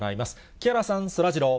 木原さん、そらジロー。